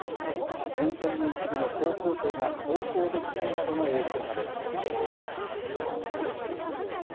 沿線の一部の高校生が登校できないなどの影響が出ました。